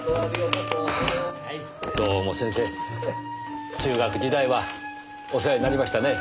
どうも先生中学時代はお世話になりましたね。